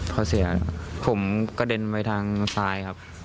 พอเสียผมกระเด็นไปทางซ้ายครับ